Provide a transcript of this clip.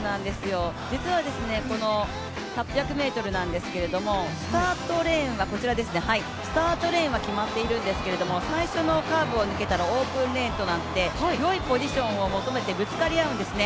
実は８００ｍなんですけれども、スタートレーンは決まっているんですけど最初のカーブを抜けたらオープンレーンとなって、良いポジションを求めてぶつかり合うんですね。